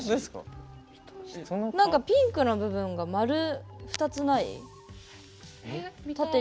なんかピンクの部分が丸２つない？